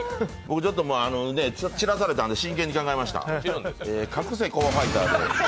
僕、ちょっと散らされたんで真剣に考えました。